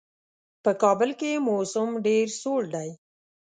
په کابل کې موسم ډېر سوړ دی.